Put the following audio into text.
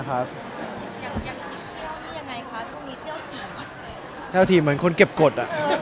เที่ยวทีเหมือนคนเก็บกฎ